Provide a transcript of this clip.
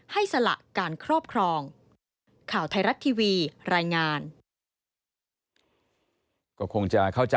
สละการครอบครอง